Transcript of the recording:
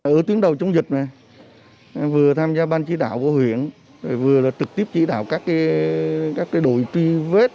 ở tiếng đầu chống dịch này vừa tham gia ban chỉ đạo của huyện vừa là trực tiếp chỉ đạo các cái đổi tuy vết